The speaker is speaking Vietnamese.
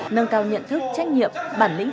nâng cao nhận thức trách nhiệm bản lĩnh